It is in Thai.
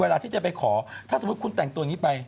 เวลาที่จะไปขอถ้าสมมุติคุณแต่งตัวนี้ไป